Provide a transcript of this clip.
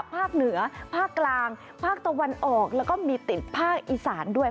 ภาคเหนือภาคกลางภาคตะวันออกแล้วก็มีติดภาคอีสานด้วย